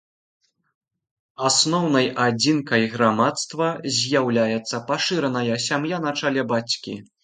Асноўнай адзінкай грамадства з'яўляецца пашыраная сям'я на чале бацькі.